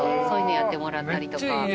そういうのやってもらったりとか。